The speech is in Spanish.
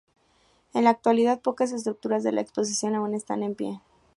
En la actualidad, pocas estructuras de la exposición aún están en pie.